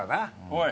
おい！